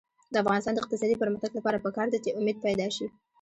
د افغانستان د اقتصادي پرمختګ لپاره پکار ده چې امید پیدا شي.